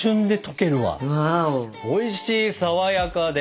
おいしいさわやかで。